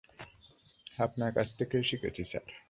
আপনার কাছ থেকেই শিখেছি, স্যার।